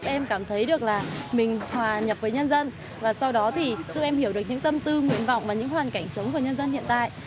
em cảm thấy được là mình hòa nhập với nhân dân và sau đó thì giúp em hiểu được những tâm tư nguyện vọng và những hoàn cảnh sống của nhân dân hiện tại